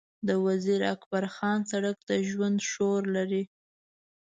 د وزیر اکبرخان سړک د ژوند شور لري.